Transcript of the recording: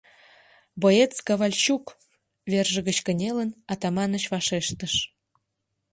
Боец Ковальчук! — верже гыч кынелын, Атаманыч вашештыш.